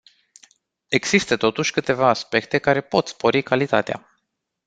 Există totuși câteva aspecte care pot spori calitatea.